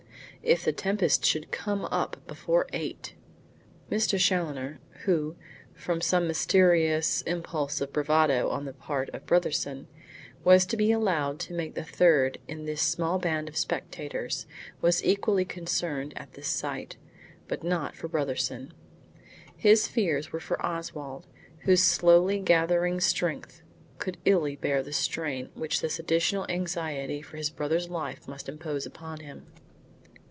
If the tempest should come up before eight! Mr. Challoner, who, from some mysterious impulse of bravado on the part of Brotherson, was to be allowed to make the third in this small band of spectators, was equally concerned at this sight, but not for Brotherson. His fears were for Oswald, whose slowly gathering strength could illy bear the strain which this additional anxiety for his brother's life must impose upon him.